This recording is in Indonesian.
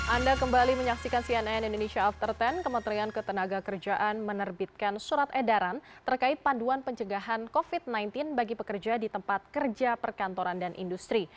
anda kembali menyaksikan cnn indonesia after sepuluh kementerian ketenaga kerjaan menerbitkan surat edaran terkait panduan pencegahan covid sembilan belas bagi pekerja di tempat kerja perkantoran dan industri